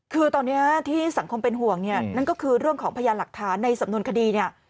คือตอนนี้ที่สังคมเป็นห่วงเนี่ยนั่นก็คือเรื่องของพยานหลักฐานในสำนวนคดีเนี่ย